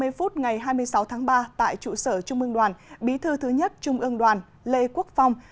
ba mươi phút ngày hai mươi sáu tháng ba tại trụ sở trung ương đoàn bí thư thứ nhất trung ương đoàn lê quốc phong